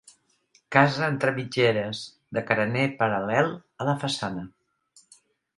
Casa entre mitgeres, de carener paral·lel a la façana.